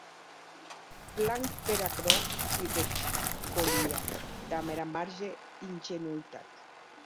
Plan per aquerò, cridèc Kolia damb era màger ingenuitat.